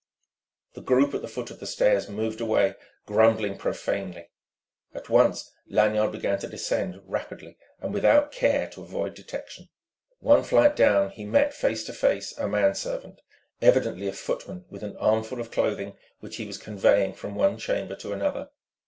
The group at the foot of the stairs moved away, grumbling profanely. At once Lanyard began to descend, rapidly and without care to avoid detection. One flight down he met face to face a manservant, evidently a footman, with an armful of clothing which he was conveying from one chamber to another.